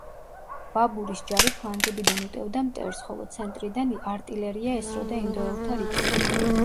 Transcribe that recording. ბაბურის ჯარი ფლანგებიდან უტევდა მტერს, ხოლო ცენტრიდან არტილერია ესროდა ინდოელთა რიგებს.